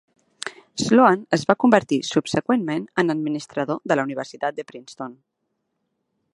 Sloan es va convertir subseqüentment en administrador de la universitat de Princeton.